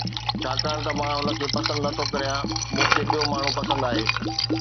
ڇاڪاڻ ته مان هن کي پسند نٿو ڪريان، مون کي ٻيو ماڻهو پسند آهي